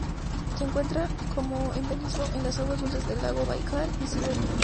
Se encuentran como endemismo en las aguas dulces del lago Baikal, en Siberia.